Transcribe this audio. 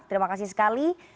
terima kasih sekali